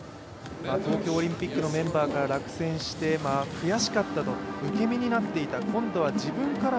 東京オリンピックのメンバーから落選して、悔しかったと、受け身になっていた今度は自分から